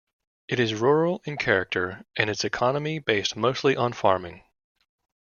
It is rural in character and its economy based mostly on farming.